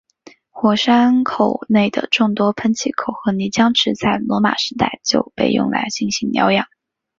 火山口内的众多喷气口和泥浆池在罗马时代就被用来进行疗养。